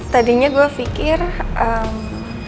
tadinya gue pikir emm